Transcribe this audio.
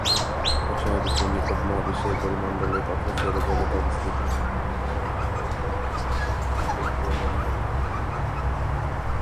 পশ্চিমা বিশ্বে নিকট-মহাবিশ্বের পরিমণ্ডলে তথা সৌর জগতে অবস্থিত এই গ্রহগুলোর নামকরণ করা হয়েছে গ্রিকো-রোমান দেবতাদের নামে।